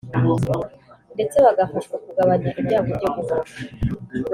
ndetse bagafashwa kugabanya ibyago byo guhomba